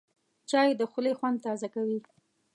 چای د خولې خوند تازه کوي